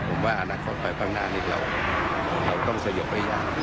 ผมว่าอนาคตไปพักหน้านี้เราต้องสยกไว้อย่างนี้